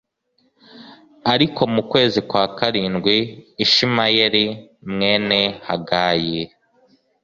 Ariko mu kwezi kwa karindwi Ishimayeli mwene hagayi